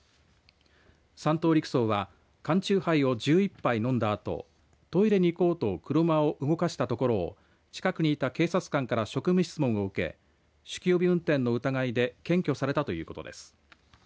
３等陸曹は缶チューハイを１１杯飲んだあとトイレに行こうと車を動かしたところを近くにいた警察官から職務質問を受け酒気帯び運転の疑いで検挙されたということです。